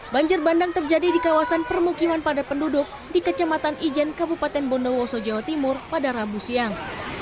banjir bandang terjadi di kawasan permukiman padat penduduk di kecamatan ijen kabupaten bondowoso jawa timur pada rabu siang